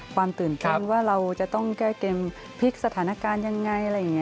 ความตื่นต้นว่าเราจะต้องแก้เกมพลิกสถานการณ์ยังไง